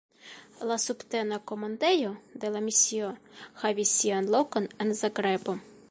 La subtena komandejo de la misio havis sian lokon en Zagrebo.